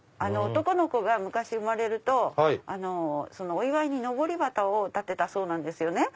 男の子が昔生まれるとお祝いにのぼり旗を立てたそうなんです。